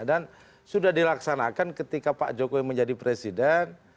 dan sudah dilaksanakan ketika pak jokowi menjadi presiden